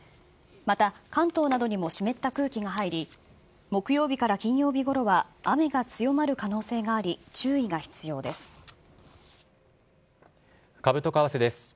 また、関東などにも湿った空気が入り、木曜日から金曜日ごろは雨が強まる可能性があり、注意が必要です。